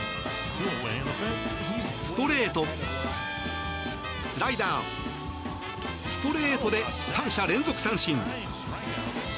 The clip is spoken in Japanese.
ストレート、スライダーストレートで３者連続三振。